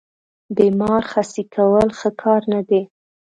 بیمار خسي کول ښه کار نه دی.